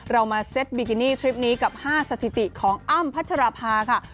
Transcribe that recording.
เรามาเซ็ตบิกินี่ทริปนี้กับ๕สถิติของอ้ำพัชรภาค่ะ